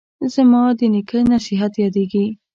زما د نیکه نصیحت یادیږي